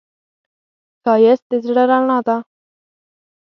ښایست د زړه رڼا ده